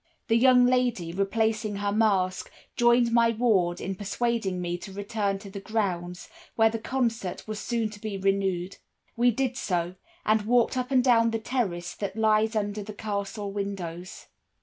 "The young lady, replacing her mask, joined my ward in persuading me to return to the grounds, where the concert was soon to be renewed. We did so, and walked up and down the terrace that lies under the castle windows.